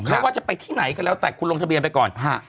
ไม่ว่าจะไปที่ไหนก็แล้วแต่คุณลงทะเบียนไปก่อน